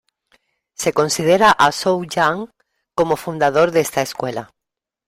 Se considera a Zou Yan como fundador de esta escuela.